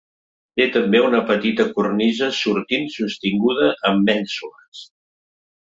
Té també una petita cornisa sortint sostinguda amb mènsules.